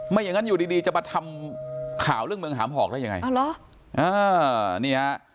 ไม่อย่างนั้นอยู่ดีจะมาทำข่าวเรื่องเมืองหามหอกได้ยังไง